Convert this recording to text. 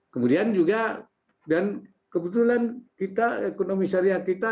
kemudian juga dan kebetulan kita ekonomi syariah kita